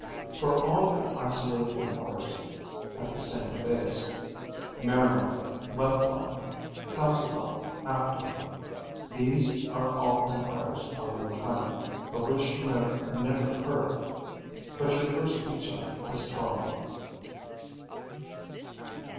For all your isolated empires had the same base. Marinor, Letpar, Calcivon, Aptor these are all empires on your planet of which you have never heard. But your first concern is Toromon."